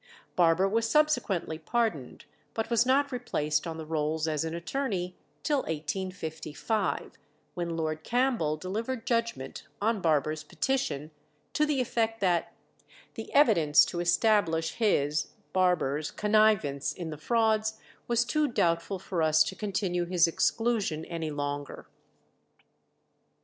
Barber was subsequently pardoned, but was not replaced on the rolls as an attorney till 1855, when Lord Campbell delivered judgment on Barber's petition, to the effect that "the evidence to establish his (Barber's) connivance in the frauds was too doubtful for us to continue his exclusion any longer."